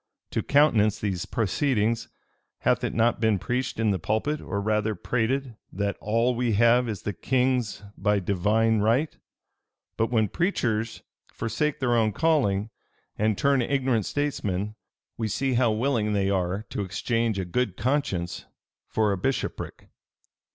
To countenance these proceedings, hath it not been preached in the pulpit, or rather prated, that 'All we have is the king's by divine right'? But when preachers forsake their own calling, and turn ignorant statesmen, we see how willing they are to exchange a good conscience for a bishopric.